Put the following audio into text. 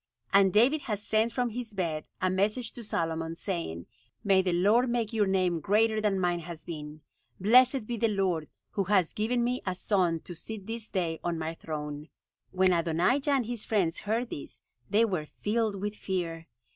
And David has sent from his bed a message to Solomon, saying, 'May the Lord make your name greater than mine has been! Blessed be the Lord, who has given me a son to sit this day on my throne!'" When Adonijah and his friends heard this they were filled with fear.